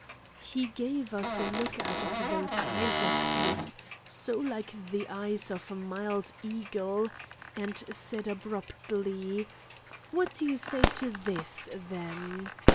He gave us a look out of those eyes of his, so like the eyes of a mild eagle, and said abruptly: "What do you say to this, then?